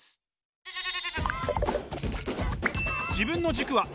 メェ！